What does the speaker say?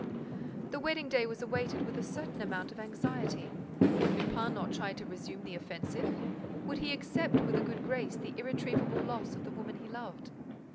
The wedding day was awaited with a certain amount of anxiety. Would Lupin not try to resume the offensive? Would he accept with a good grace the irretrievable loss of the woman he loved?